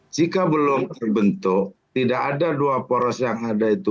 jika belum terbentuk tidak ada dua poros yang ada itu